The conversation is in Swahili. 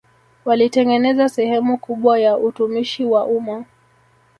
Walitengeneza sehemu kubwa ya utumishi wa umma